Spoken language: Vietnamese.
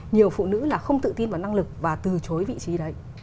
nhiều phụ nữ là không tự tin vào năng lực và từ chối vị trí đấy